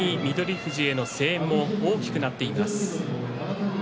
富士への声援が大きくなっています。